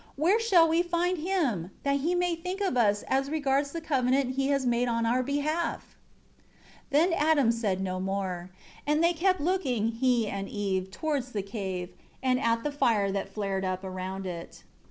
Where shall we find Him, that He may think of us, as regards the covenant He has made on our behalf?" 13 Then Adam said no more. And they kept looking, He and Eve, towards the cave, and at the fire that flared up around it.